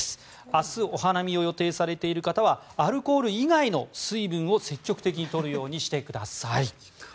明日、お花見を予定されている方はアルコール以外の水分を積極的にとるようにしてください。